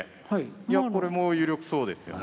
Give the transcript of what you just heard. いやこれも有力そうですよね。